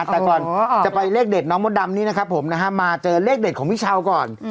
แต่ก่อนจะไปเลขเด็ดน้องมดดำนี้นะครับผมนะฮะมาเจอเลขเด็ดของพี่เช้าก่อน